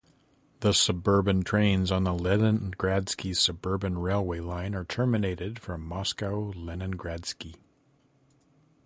The suburban trains on the Leningradsky suburban railway line are terminated from Moscow Leningradsky.